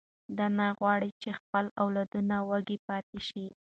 دی نه غواړي چې خپل اولادونه وږي پاتې شي.